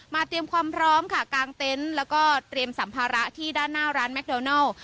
เตรียมความพร้อมค่ะกางเต็นต์แล้วก็เตรียมสัมภาระที่ด้านหน้าร้านแมคโดนัล